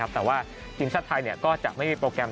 แต่ว่าทีมชาติไทยก็จะไม่มีโปรแกรม